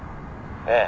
「ええ。